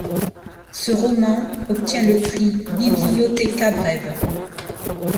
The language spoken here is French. Ce roman obtient le prix Biblioteca Breve.